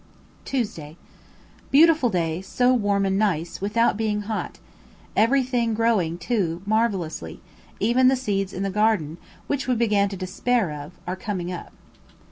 Tuesday. Beautiful day, so warm and nice, without being hot; everything growing, too, marvellously; even the seeds in the garden, which we began to despair of, are coming up.